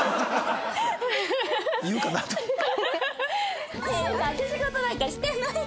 言うかなと思って。